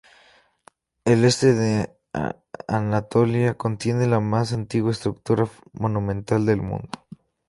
El este de Anatolia contiene las más antiguas estructuras monumentales del mundo.